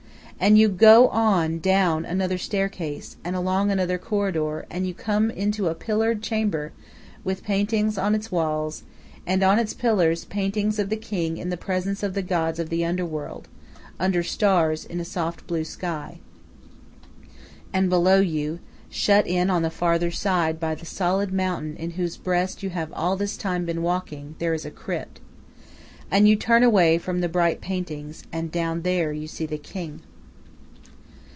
And you go on down another staircase, and along another corridor, and you come into a pillared chamber, with paintings on its walls, and on its pillars, paintings of the king in the presence of the gods of the underworld, under stars in a soft blue sky. And below you, shut in on the farther side by the solid mountain in whose breast you have all this time been walking, there is a crypt. And you turn away from the bright paintings, and down there you see the king.